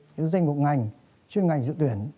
như danh mục ngành chuyên ngành dự tuyển